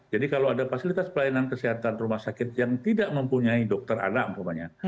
jadi kalau ada fasilitas pelayanan kesehatan rumah sakit yang tidak mempunyai dokter anak pokoknya